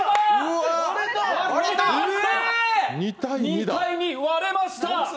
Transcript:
２−２、割れました。